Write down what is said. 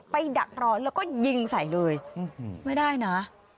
ดักรอแล้วก็ยิงใส่เลยไม่ได้นะ